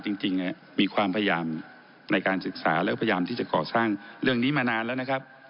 จริงมีความพยายามในการศึกษาแล้วก็พยายามที่จะก่อสร้างเรื่องนี้มานานแล้วนะครับ